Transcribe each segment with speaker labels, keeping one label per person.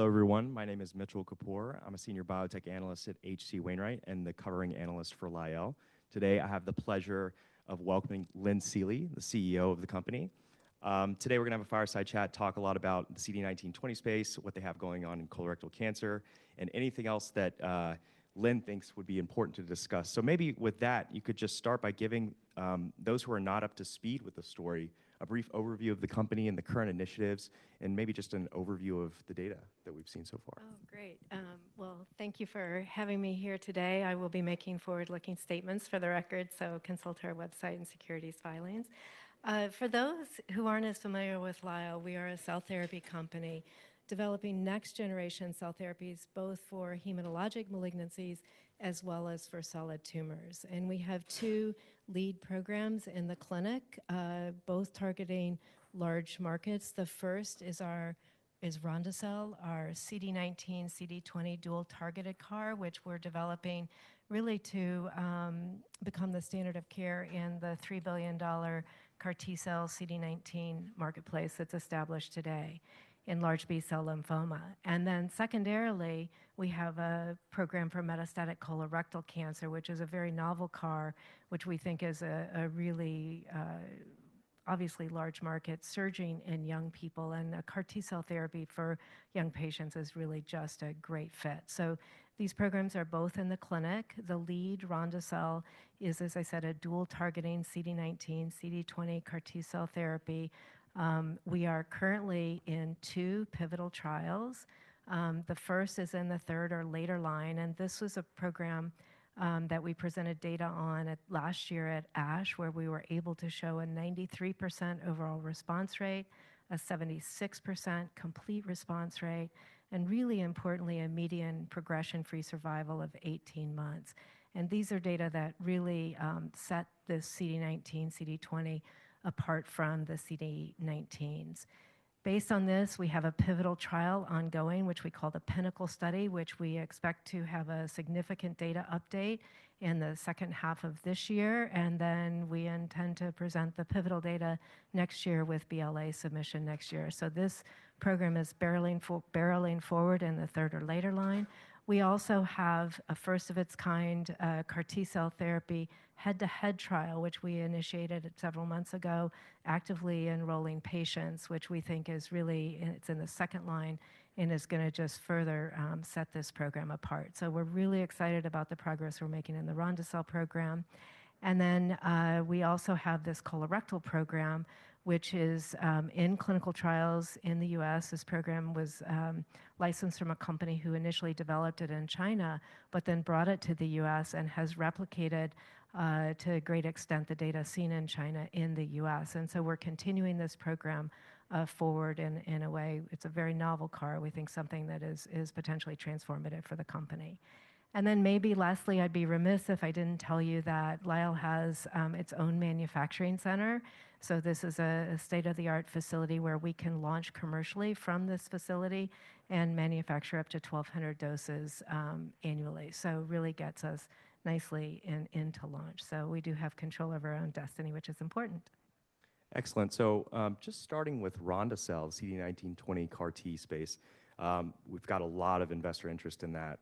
Speaker 1: Hello, everyone. My name is Mitchell Kapoor. I'm a senior biotech analyst at H.C. Wainwright and the covering analyst for Lyell. Today, I have the pleasure of welcoming Lynn Seely, the CEO of the company. Today, we're gonna have a fireside chat, talk a lot about the CD19/CD20 space, what they have going on in colorectal cancer, and anything else that Lynn thinks would be important to discuss. Maybe with that, you could just start by giving those who are not up to speed with the story, a brief overview of the company and the current initiatives, and maybe just an overview of the data that we've seen so far.
Speaker 2: Well, thank you for having me here today. I will be making forward-looking statements for the record, so consult our website and securities filings. For those who aren't as familiar with Lyell, we are a cell therapy company developing next-generation cell therapies, both for hematologic malignancies as well as for solid tumors. We have two lead programs in the clinic, both targeting large markets. The first is our Ronde-cel, our CD19, CD20 dual-targeted CAR, which we're developing really to become the standard of care in the $3 billion CAR T-cell CD19 marketplace that's established today in large B-cell lymphoma. Then secondarily, we have a program for metastatic colorectal cancer, which is a very novel CAR, which we think is a really, obviously large market surging in young people. A CAR T-cell therapy for young patients is really just a great fit. These programs are both in the clinic. The lead Ronde-cel is, as I said, a dual-targeting CD19, CD20 CAR T-cell therapy. We are currently in two pivotal trials. The first is in the third or later line, this was a program that we presented data on last year at ASH, where we were able to show a 93% overall response rate, a 76% complete response rate, and really importantly, a median progression-free survival of 18 months. These are data that really set the CD19, CD20 apart from the CD19s. Based on this, we have a pivotal trial ongoing, which we call the PiNNACLE study, which we expect to have a significant data update in the H2 of this year. We intend to present the pivotal data next year with BLA submission next year. This program is barreling forward in the third or later line. We also have a first-of-its-kind CAR T-cell therapy head-to-head trial, which we initiated several months ago, actively enrolling patients, which we think it's in the second line and is gonna just further set this program apart. We're really excited about the progress we're making in the Ronde-cel program. We also have this colorectal program, which is in clinical trials in the U.S. This program was licensed from a company who initially developed it in China, brought it to the U.S. and has replicated to a great extent the data seen in China in the U.S. We're continuing this program forward in a way. It's a very novel CAR, we think something that is potentially transformative for the company. Maybe lastly, I'd be remiss if I didn't tell you that Lyell has its own manufacturing center. This is a state-of-the-art facility where we can launch commercially from this facility and manufacture up to 1,200 doses annually. Really gets us nicely into launch. We do have control of our own destiny, which is important.
Speaker 1: Excellent. Just starting with Ronde-cel, CD19/20 CAR T space. We've got a lot of investor interest in that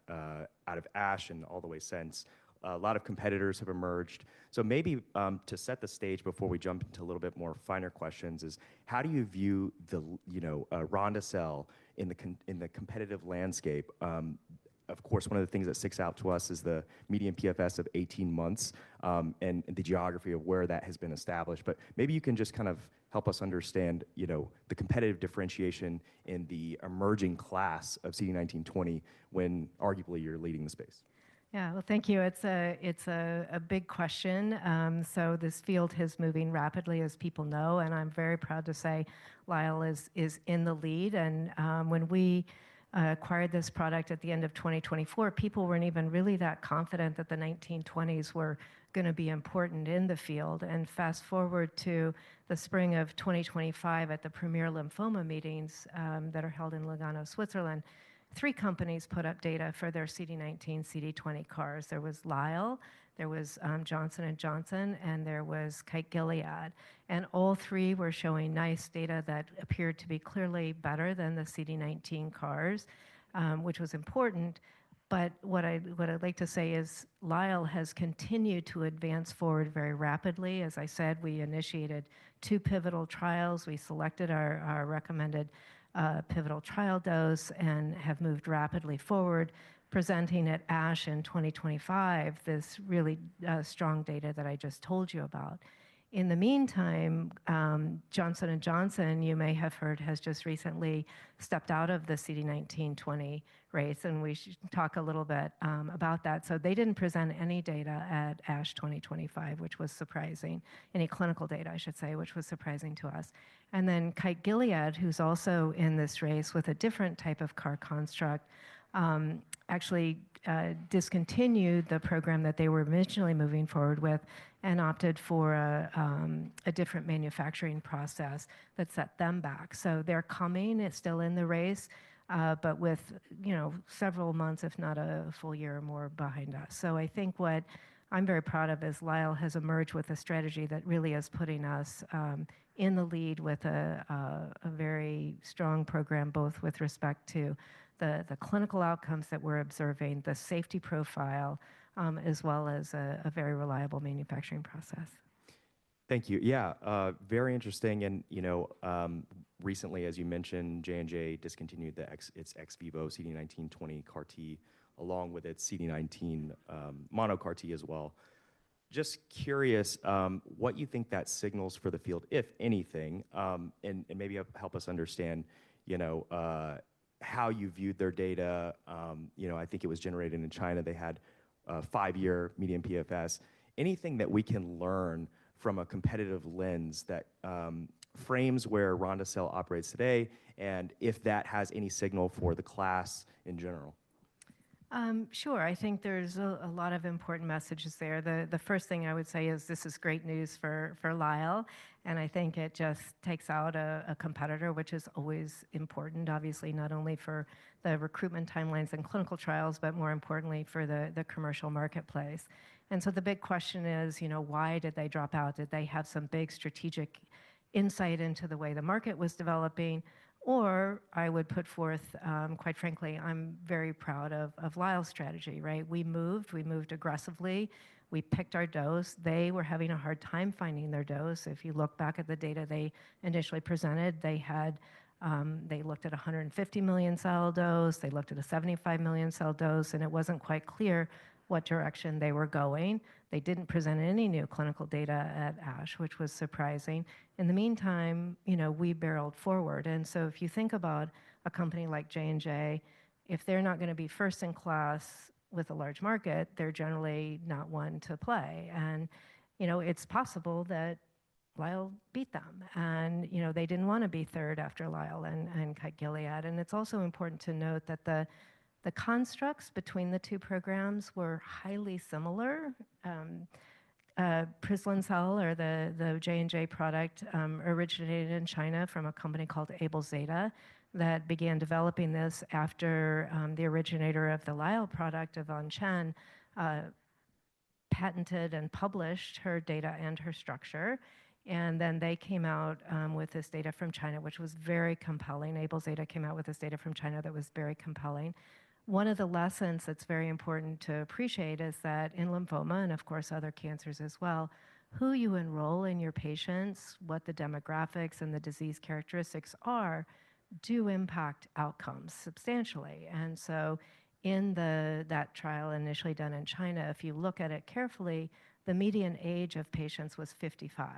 Speaker 1: out of ASH and all the way since. A lot of competitors have emerged. Maybe to set the stage before we jump into a little bit more finer questions is, how do you view the, you know, Ronde-cel in the competitive landscape? Of course, one of the things that sticks out to us is the median PFS of 18 months and the geography of where that has been established. Maybe you can just kind of help us understand, you know, the competitive differentiation in the emerging class of CD19/20 when arguably you're leading the space.
Speaker 2: Well, thank you. It's a big question. This field is moving rapidly, as people know, and I'm very proud to say Lyell is in the lead. When we acquired this product at the end of 2024, people weren't even really that confident that the CD19/20s were gonna be important in the field. Fast-forward to the spring of 2025 at the premier meetings International, that are held in Lugano, Switzerland, three companies put up data for their CD19, CD20 CARs. There was Lyell, there was Johnson & Johnson, and there was Kite Gilead. All three were showing nice data that appeared to be clearly better than the CD19 CARs, which was important. What I'd like to say is Lyell has continued to advance forward very rapidly. As I said, we initiated two pivotal trials. We selected our recommended pivotal trial dose and have moved rapidly forward, presenting at ASH in 2025 this really strong data that I just told you about. In the meantime, Johnson & Johnson, you may have heard, has just recently stepped out of the CD19/CD20 race, we talk a little bit about that. They didn't present any data at ASH 2025, which was surprising. Any clinical data, I should say, which was surprising to us. Kite Gilead, who's also in this race with a different type of CAR construct, actually discontinued the program that they were originally moving forward with and opted for a different manufacturing process that set them back. They're coming. It's still in the race, but with, you know, several months if not a full year or more behind us. I think what I'm very proud of is Lyell has emerged with a strategy that really is putting us in the lead with a very strong program, both with respect to the clinical outcomes that we're observing, the safety profile, as well as a very reliable manufacturing process.
Speaker 1: Thank you. Yeah, very interesting and, you know, recently, as you mentioned, J&J discontinued its ex vivo CD19/CD20 CAR T along with its CD19 mono CAR T as well. Just curious what you think that signals for the field, if anything, and maybe help us understand, you know, how you viewed their data. You know, I think it was generated in China. They had a five-year median PFS. Anything that we can learn from a competitive lens that frames where Ronde-cel operates today and if that has any signal for the class in general?
Speaker 2: Sure. I think there's a lot of important messages there. The first thing I would say is this is great news for Lyell, and I think it just takes out a competitor, which is always important, obviously, not only for the recruitment timelines and clinical trials, but more importantly for the commercial marketplace. The big question is, you know, why did they drop out? Did they have some big strategic insight into the way the market was developing? Or I would put forth, quite frankly, I'm very proud of Lyell's strategy, right? We moved aggressively. We picked our dose. They were having a hard time finding their dose. If you look back at the data they initially presented, they had They looked at a 150 million cell dose. They looked at a 75 million cell dose, and it wasn't quite clear what direction they were going. They didn't present any new clinical data at ASH, which was surprising. In the meantime, you know, we barreled forward. If you think about a company like J&J, if they're not gonna be first in class with a large market, they're generally not one to play. You know, it's possible that Lyell beat them and, you know, they didn't wanna be third after Lyell and Kite Gilead. It's also important to note that the constructs between the two programs were highly similar. prizlo-cel or the J&J product originated in China from a company called AbelZeta Pharma that began developing this after the originator of the Lyell product, Yvonne Chen, patented and published her data and her structure. They came out with this data from China, which was very compelling. AbelZeta came out with this data from China that was very compelling. One of the lessons that's very important to appreciate is that in lymphoma and, of course, other cancers as well, who you enroll in your patients, what the demographics and the disease characteristics are, do impact outcomes substantially. In that trial initially done in China, if you look at it carefully, the median age of patients was 55.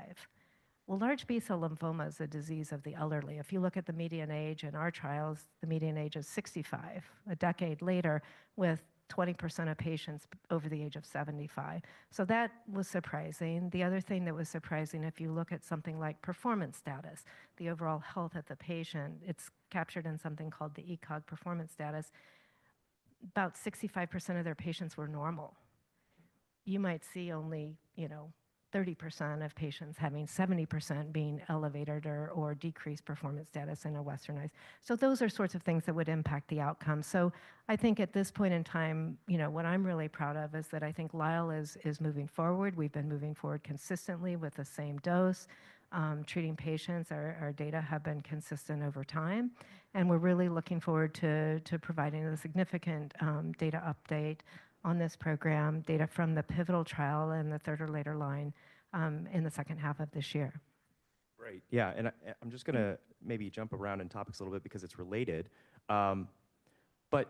Speaker 2: Well, large B-cell lymphoma is a disease of the elderly. If you look at the median age in our trials, the median age is 65, a decade later, with 20% of patients over the age of 75. That was surprising. The other thing that was surprising, if you look at something like performance status, the overall health of the patient, it's captured in something called the ECOG performance status. About 65% of their patients were normal. You might see only, you know, 30% of patients having 70% being elevated or decreased performance status in a Westernized. Those are sorts of things that would impact the outcome. I think at this point in time, you know, what I'm really proud of is that I think Lyell is moving forward. We've been moving forward consistently with the same dose, treating patients. Our data have been consistent over time, and we're really looking forward to providing the significant data update on this program, data from the pivotal trial and the third or later line in the H2 of this year.
Speaker 1: Great. Yeah. I'm just gonna maybe jump around in topics a little bit because it's related.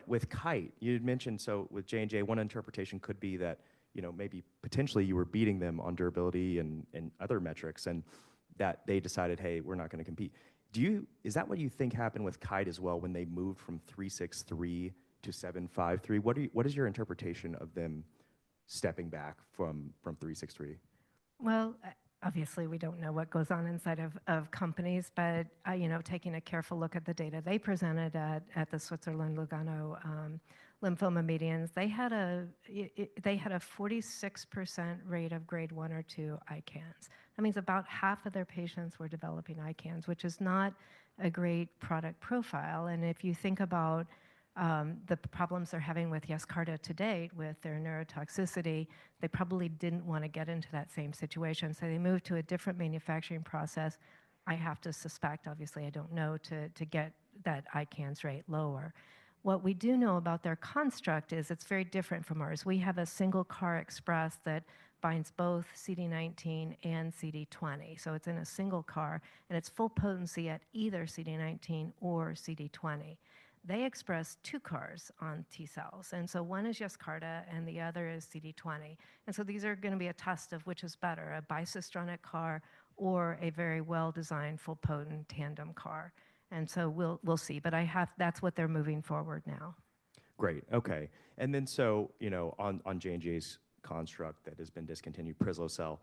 Speaker 1: With Kite, you had mentioned, so with J&J, one interpretation could be that, you know, maybe potentially you were beating them on durability and other metrics and that they decided, "Hey, we're not gonna compete." Is that what you think happened with Kite as well when they moved from 363 to 753? What is your interpretation of them stepping back from 363?
Speaker 2: Obviously we don't know what goes on inside of companies, but, you know, taking a careful look at the data they presented at the Lugano International Conference on Malignant Lymphoma meeting, they had a 46% rate of grade 1 or 2 ICANS. That means about half of their patients were developing ICANS, which is not a great product profile. If you think about the problems they're having with Yescarta to date with their neurotoxicity, they probably didn't wanna get into that same situation, so they moved to a different manufacturing process, I have to suspect, obviously I don't know, to get that ICANS rate lower. What we do know about their construct is it's very different from ours. We have a single CAR express that binds both CD19 and CD20, so it's in a single CAR, and it's full potency at either CD19 or CD20. They express two CARs on T-cells, and so one is Yescarta and the other is CD20. These are gonna be a test of which is better, a bicistronic CAR or a very well-designed, full-potent tandem CAR. We'll see. That's what they're moving forward now.
Speaker 1: Great. Okay. You know, on J&J's construct that has been discontinued, prizlo-cel,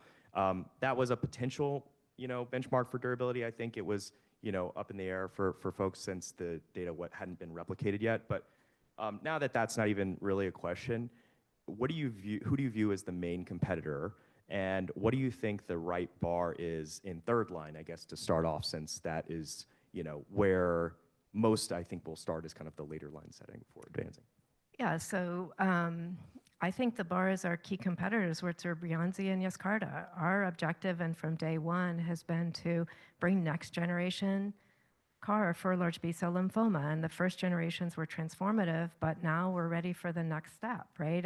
Speaker 1: that was a potential, you know, benchmark for durability. I think it was, you know, up in the air for folks since the data hadn't been replicated yet. Now that that's not even really a question, who do you view as the main competitor, and what do you think the right bar is in third line, I guess, to start off, since that is, you know, where most, I think, will start as kind of the later line setting for advancing?
Speaker 2: I think the bar is our key competitors, which are Breyanzi and Yescarta. Our objective and from day one has been to bring next-generation CAR for large B-cell lymphoma. The first generations were transformative, but now we're ready for the next step, right?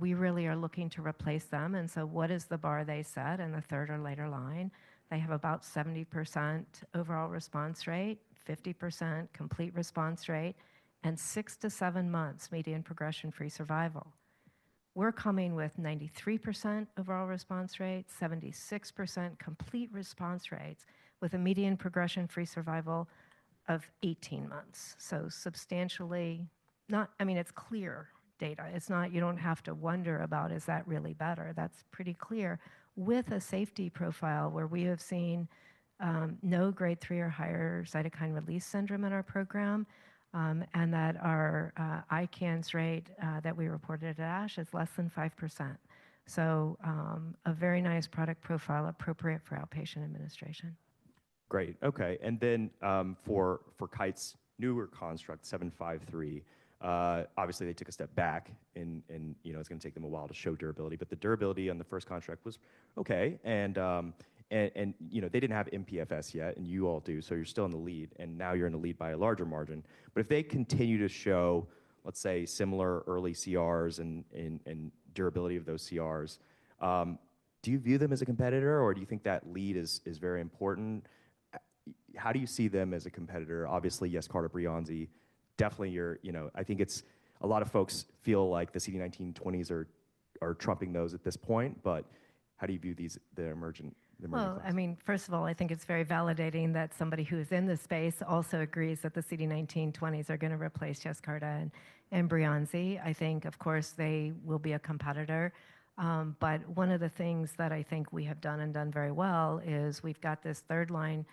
Speaker 2: We really are looking to replace them. What is the bar they set in the third or later line? They have about 70% overall response rate, 50% complete response rate, and 6-7 months median progression-free survival. We're coming with 93% overall response rate, 76% complete response rates, with a median progression-free survival of 18 months. I mean, it's clear data. You don't have to wonder about, is that really better? That's pretty clear with a safety profile where we have seen no grade 3 or higher cytokine release syndrome in our program, and that our ICANS rate that we reported at ASH is less than 5%. A very nice product profile appropriate for outpatient administration.
Speaker 1: Great. Okay. For Kite's newer construct, 753, obviously they took a step back, you know, it's gonna take them a while to show durability, but the durability on the first contract was okay. You know, they didn't have MPFS yet, you all do, so you're still in the lead, now you're in the lead by a larger margin. If they continue to show, let's say, similar early CRs and durability of those CRs, do you view them as a competitor, or do you think that lead is very important? How do you see them as a competitor? Obviously, Yescarta and Breyanzi, definitely You know, I think it's a lot of folks feel like the CD19/20s are trumping those at this point. How do you view these emerging?
Speaker 2: Well, I mean, first of all, I think it's very validating that somebody who is in this space also agrees that the CD19/20s are gonna replace Yescarta and Breyanzi. I think, of course, they will be a competitor. One of the things that I think we have done and done very well is we've got this third line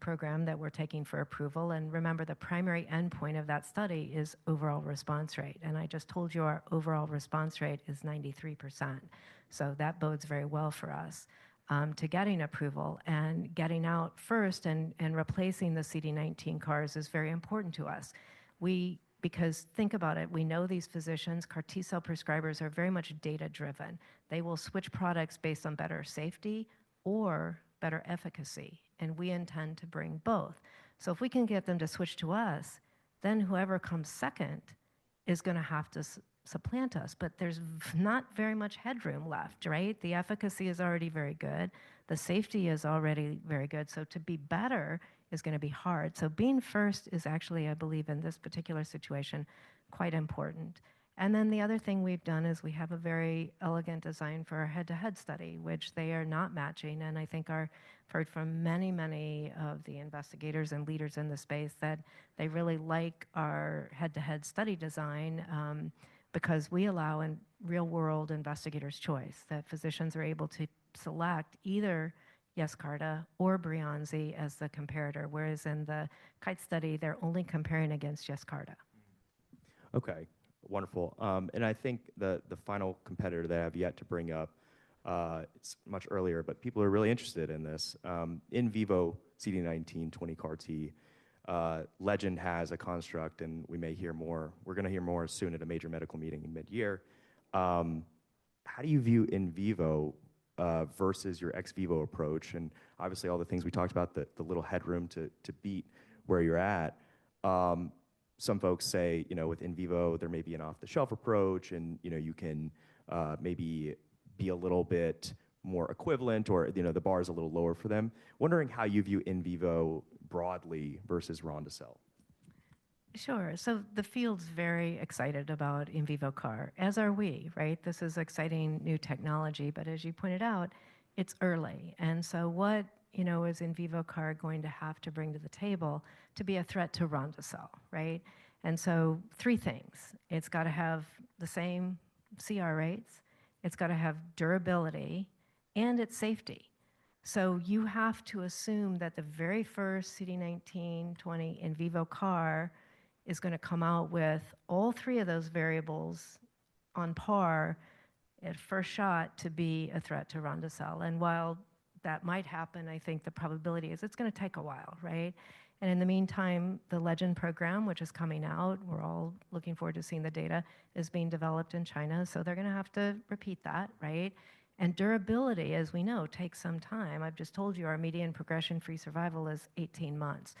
Speaker 2: program that we're taking for approval. Remember, the primary endpoint of that study is overall response rate. I just told you our overall response rate is 93%. That bodes very well for us to getting approval and getting out first and replacing the CD19 CARs is very important to us. Because think about it. We know these physicians, CAR T-cell prescribers are very much data-driven. They will switch products based on better safety or better efficacy. We intend to bring both. If we can get them to switch to us, then whoever comes second is gonna have to supplant us. There's not very much headroom left, right? The efficacy is already very good. The safety is already very good. To be better is gonna be hard. Being first is actually, I believe, in this particular situation, quite important. The other thing we've done is we have a very elegant design for our head-to-head study, which they are not matching. I think heard from many, many of the investigators and leaders in the space that they really like our head-to-head study design because we allow in real world investigators choice, that physicians are able to select either Yescarta or Breyanzi as the comparator while in the Kite study they are only comparing against Yescarta.
Speaker 1: Okay. Wonderful. I think the final competitor that I have yet to bring up, it's much earlier, but people are really interested in this. in vivo CD19/20 CAR T, Legend has a construct and we may hear more. We're going to hear more soon at a major medical meeting in mid-year. How do you view in vivo versus your ex vivo approach? Obviously, all the things we talked about, the little headroom to beat where you're at. Some folks say, you know, with in vivo, there may be an off-the-shelf approach and, you know, you can maybe be a little bit more equivalent or, you know, the bar is a little lower for them. Wondering how you view in vivo broadly versus Ronde-cel.
Speaker 2: Sure. The field's very excited about in vivo CAR, as are we, right? This is exciting new technology, but as you pointed out, it's early. What, you know, is in vivo CAR going to have to bring to the table to be a threat to Ronde-cel, right? Three things. It's gotta have the same CR rates, it's gotta have durability, and its safety. You have to assume that the very first CD19/20 in vivo CAR is gonna come out with all three of those variables on par at first shot to be a threat to Ronde-cel. While that might happen, I think the probability is it's gonna take a while, right? In the meantime, the Legend program, which is coming out, we're all looking forward to seeing the data, is being developed in China, so they're gonna have to repeat that, right? Durability, as we know, takes some time. I've just told you our median progression-free survival is 18 months.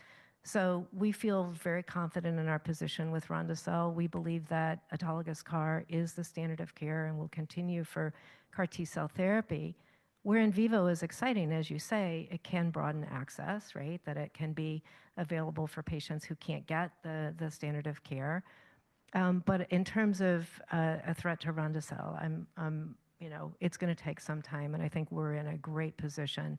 Speaker 2: We feel very confident in our position with Ronde-cel. We believe that autologous CAR is the standard of care and will continue for CAR T-cell therapy, where in vivo is exciting, as you say. It can broaden access, right? That it can be available for patients who can't get the standard of care. In terms of a threat to Ronde-cel, you know, it's gonna take some time, and I think we're in a great position.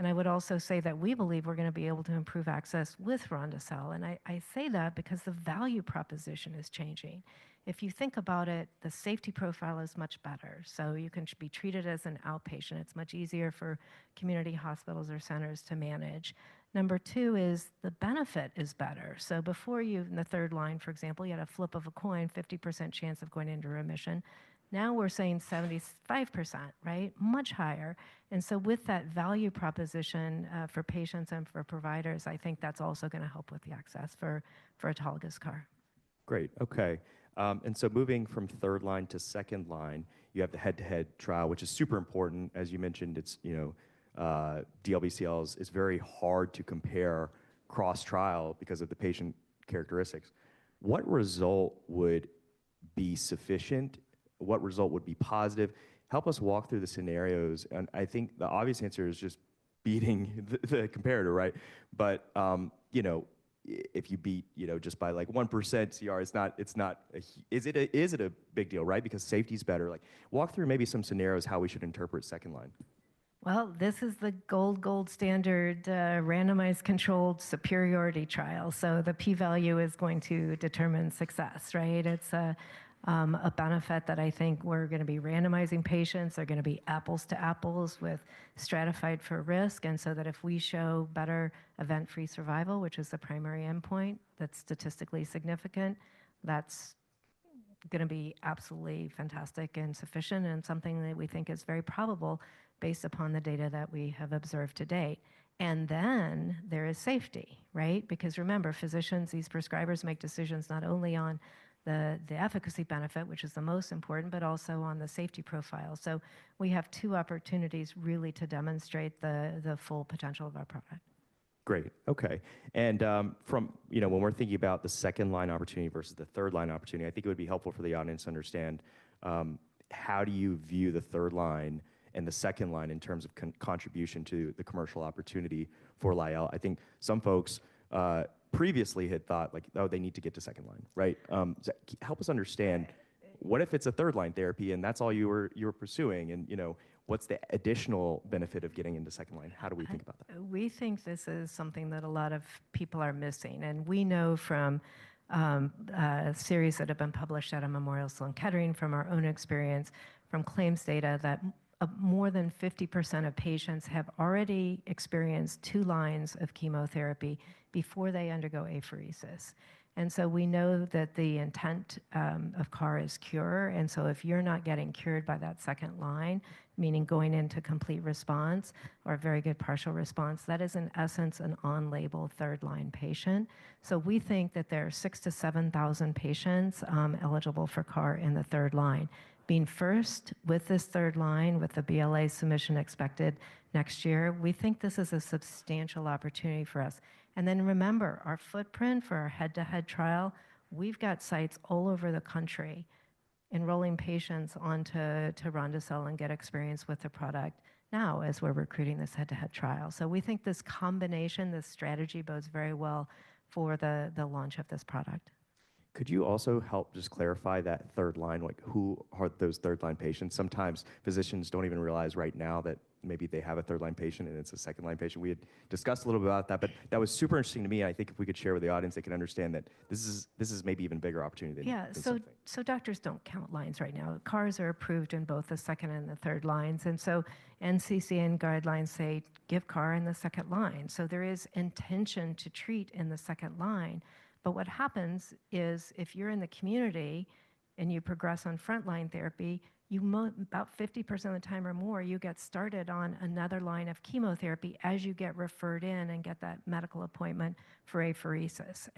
Speaker 2: I would also say that we believe we're gonna be able to improve access with Ronde-cel, and I say that because the value proposition is changing. If you think about it, the safety profile is much better, so you can be treated as an outpatient. It's much easier for community hospitals or centers to manage. Number two is the benefit is better. Before in the third line, for example, you had a flip of a coin, 50% chance of going into remission. Now we're saying 75%, right? Much higher. With that value proposition for patients and for providers, I think that's also gonna help with the access for autologous CAR.
Speaker 1: Great. Okay. Moving from third line to second line, you have the head-to-head trial, which is super important. As you mentioned, it's, you know, DLBCL is very hard to compare cross-trial because of the patient characteristics. What result would be sufficient? What result would be positive? Help us walk through the scenarios. I think the obvious answer is just beating the comparator, right? You know, if you beat, you know, just by like 1% CR, it's not, it's not Is it a big deal, right? Because safety's better. Like walk through maybe some scenarios how we should interpret second line.
Speaker 2: This is the gold standard randomized controlled superiority trial. The p-value is going to determine success, right? It's a benefit that I think we're going to be randomizing patients. They're going to be apples to apples with stratified for risk, if we show better event-free survival, which is the primary endpoint that is statistically significant, that is going to be absolutely fantastic and sufficient, and something that we think is very probable based upon the data that we have observed to date. There is safety, right? Because remember, physicians, these prescribers make decisions not only on the efficacy benefit, which is the most important, but also on the safety profile. We have two opportunities really to demonstrate the full potential of our product.
Speaker 1: Great. Okay. From, you know, when we're thinking about the second-line opportunity versus the third-line opportunity, I think it would be helpful for the audience to understand, how do you view the third line and the second line in terms of contribution to the commercial opportunity for Lyell? I think some folks previously had thought like, "Oh, they need to get to second line," right? Help us understand, what if it's a third-line therapy and that's all you're pursuing and, you know, what's the additional benefit of getting into second line? How do we think about that?
Speaker 2: We think this is something that a lot of people are missing. We know from a series that have been published out of Memorial Sloan Kettering from our own experience from claims data that more than 50% of patients have already experienced two lines of chemotherapy before they undergo apheresis. We know that the intent of CAR is cure. If you're not getting cured by that second line, meaning going into complete response or a very good partial response, that is in essence an on-label third-line patient. We think that there are 6,000-7,000 patients eligible for CAR in the third line. Being first with this third line with the BLA submission expected next year, we think this is a substantial opportunity for us. Remember, our footprint for our head-to-head trial, we've got sites all over the country enrolling patients onto Ronde-cel and get experience with the product now as we're recruiting this head-to-head trial. We think this combination, this strategy bodes very well for the launch of this product.
Speaker 1: Could you also help just clarify that third line, like who are those third line patients? Sometimes physicians don't even realize right now that maybe they have a third line patient and it's a second line patient. That was super interesting to me, and I think if we could share with the audience, they can understand that this is maybe even bigger opportunity-
Speaker 2: Yeah
Speaker 1: -we think.
Speaker 2: Doctors don't count lines right now. CARs are approved in both the second and the third lines, NCCN guidelines say give CAR in the second line. There is intention to treat in the second line. What happens is if you're in the community and you progress on frontline therapy, about 50% of the time or more, you get started on another line of chemotherapy as you get referred in and get that medical appointment for apheresis.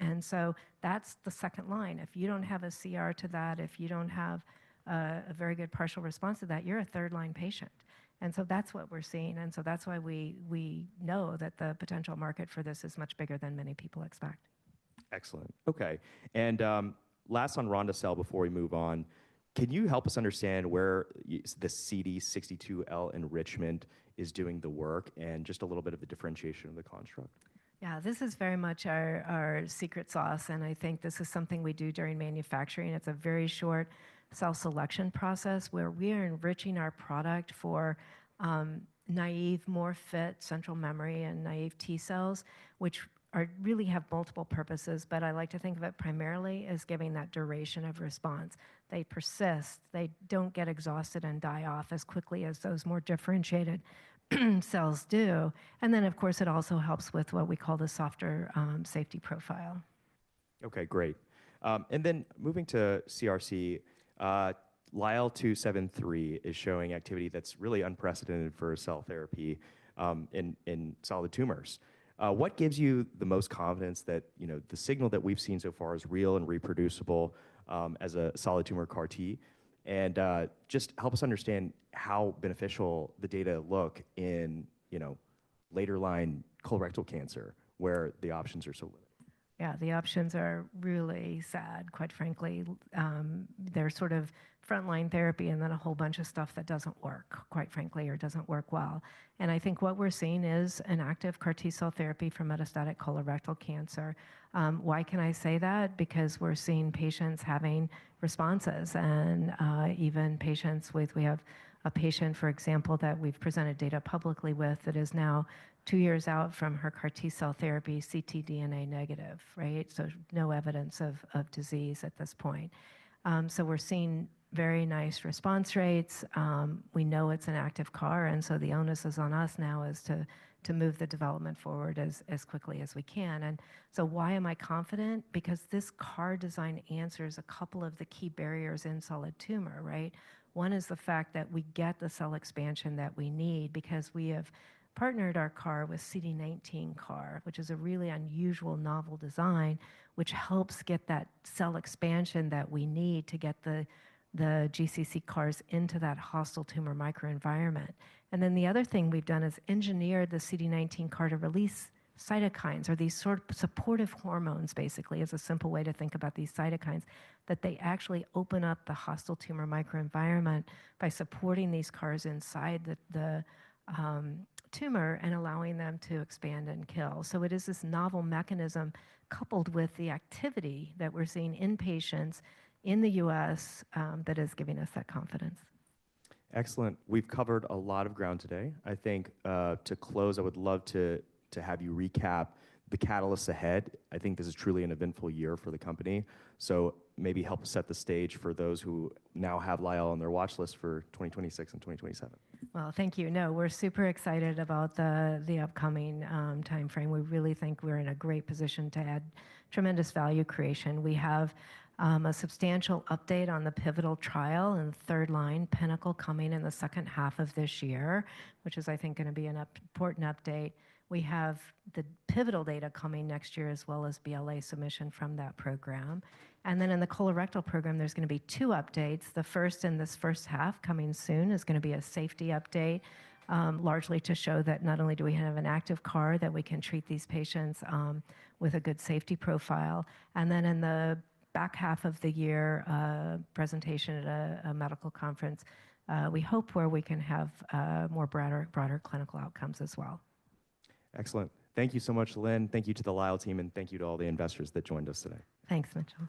Speaker 2: That's the second line. If you don't have a CR to that, if you don't have a very good partial response to that, you're a third line patient. That's what we're seeing, that's why we know that the potential market for this is much bigger than many people expect.
Speaker 1: Excellent. Okay. Last on Ronde-cel before we move on. Can you help us understand where the CD62L enrichment is doing the work and just a little bit of the differentiation of the construct?
Speaker 2: Yeah. This is very much our secret sauce, and I think this is something we do during manufacturing. It's a very short cell selection process where we are enriching our product for naive, more fit central memory and naive T cells, which really have multiple purposes, but I like to think of it primarily as giving that duration of response. They persist. They don't get exhausted and die off as quickly as those more differentiated cells do. Of course, it also helps with what we call the softer safety profile.
Speaker 1: Okay, great. moving to CRC, LYL273 is showing activity that's really unprecedented for cell therapy, in solid tumors. What gives you the most confidence that, you know, the signal that we've seen so far is real and reproducible, as a solid tumor CAR T? Just help us understand how beneficial the data look in, you know, later line colorectal cancer where the options are so limited.
Speaker 2: Yeah, the options are really sad, quite frankly. There's sort of frontline therapy and then a whole bunch of stuff that doesn't work, quite frankly, or doesn't work well. I think what we're seeing is an active CAR T-cell therapy for metastatic colorectal cancer. Why can I say that? Because we're seeing patients having responses. We have a patient, for example, that we've presented data publicly with that is now two years out from her CAR T-cell therapy ctDNA negative, right? No evidence of disease at this point. We're seeing very nice response rates. We know it's an active CAR. The onus is on us now is to move the development forward as quickly as we can. Why am I confident? Because this CAR design answers a couple of the key barriers in solid tumor, right? One is the fact that we get the cell expansion that we need because we have partnered our CAR with CD19 CAR, which is a really unusual novel design, which helps get that cell expansion that we need to get the GCC CARs into that hostile tumor microenvironment. The other thing we've done is engineered the CD19 CAR to release cytokines or these sort supportive hormones basically is a simple way to think about these cytokines, that they actually open up the hostile tumor microenvironment by supporting these CARs inside the tumor and allowing them to expand and kill. It is this novel mechanism coupled with the activity that we're seeing in patients in the U.S. that is giving us that confidence.
Speaker 1: Excellent. We've covered a lot of ground today. I think, to close, I would love to have you recap the catalysts ahead. I think this is truly an eventful year for the company. Maybe help set the stage for those who now have Lyell on their watchlist for 2026 and 2027.
Speaker 2: Well, thank you. No, we're super excited about the upcoming timeframe. We really think we're in a great position to add tremendous value creation. We have a substantial update on the pivotal trial and third line PiNNACLE coming in the H2 of this year, which is I think gonna be an important update. We have the pivotal data coming next year as well as BLA submission from that program. In the colorectal program, there's gonna be two updates. The first in this H1 coming soon is gonna be a safety update, largely to show that not only do we have an active CAR that we can treat these patients with a good safety profile. In the H2 of the year, a presentation at a medical conference, we hope where we can have more broader clinical outcomes as well.
Speaker 1: Excellent. Thank you so much, Lynn. Thank you to the Lyell team, and thank you to all the investors that joined us today.
Speaker 2: Thanks, Mitchell